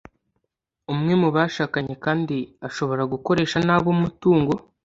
Umwe mu bashakanye kandi ashobora gukoresha nabi umutungo